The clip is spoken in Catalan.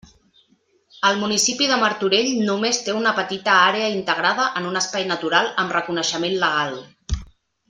El municipi de Martorell només té una petita àrea integrada en un espai natural amb reconeixement legal.